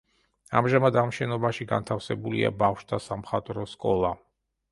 ამჟამად ამ შენობაში განთავსებულია ბავშვთა სამხატვრო სკოლა.